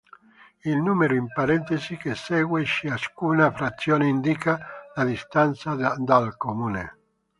Il numero in parentesi che segue ciascuna frazione indica la distanza dal comune.